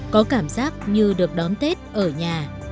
có cảm giác như được đón tết ở nhà